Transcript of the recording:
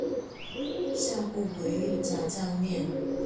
下不為例炸醬麵